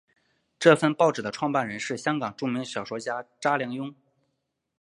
这份报纸的创办人是香港著名小说家查良镛。